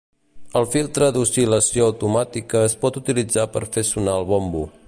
El filtre d'oscil·lació automàtica es pot utilitzar per fer sonar el bombo.